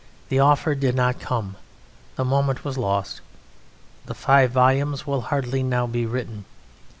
The offer did not come. The moment was lost. The five volumes will hardly now be written.